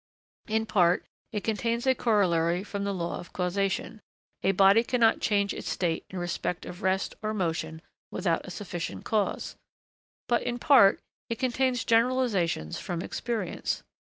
In part, it contains a corollary from the law of causation: A body cannot change its state in respect of rest or motion without a sufficient cause. But, in part, it contains generalisations from experience.